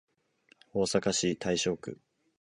大阪市大正区